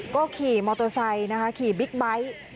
ก็ขี่มอเตอร์ไซค์นะคะขี่บิ๊กไบท์